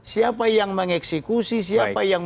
siapa yang mengeksekusi siapa yang